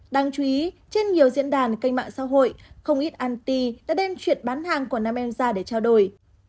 đáng chú ý trên nhiều diễn đàn kênh mạng xã hội không ít ant đã đem chuyện bán hàng của nam em ra để trao đổi